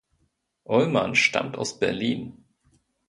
Ullmann stammt aus Berlin.